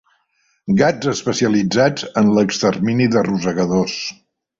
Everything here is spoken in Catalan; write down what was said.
Gats especialitzats en l'extermini de rosegadors.